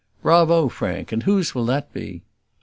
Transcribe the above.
"Bravo, Frank; and whose will that be?"